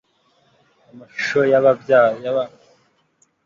amashusho y'amabazanyo yaje gusengwa